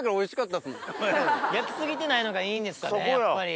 焼き過ぎてないのがいいんですかねやっぱり。